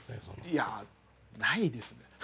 いやないですね。